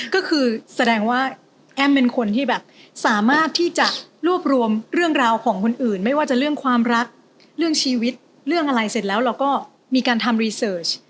ก็คือแสดงว่าแอ้มเป็นคนที่แบบสามารถที่จะรวบรวมเรื่องราวของคนอื่นไม่ว่าจะเรื่องความรักเรื่องชีวิตเรื่องอะไรเสร็จแล้วเราก็มีการทำรีเสิร์ช